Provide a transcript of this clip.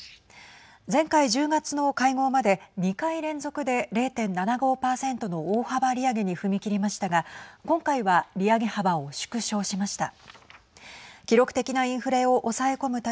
前回１０月の会合まで２回連続で０．７５％の大幅利上げに踏み切りましたが今回は利上げ幅を縮小しました。